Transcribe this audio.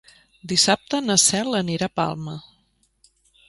Dissabte na Cel anirà a Palma.